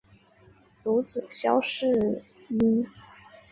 有子萧士赟。